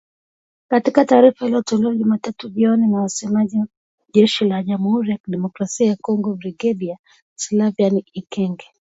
Katika taarifa iliyotolewa Jumatatu jioni na msemaji wa jeshi la Jamhuri ya kidemokrasia ya Kongo Brigedia Sylvain Ekenge.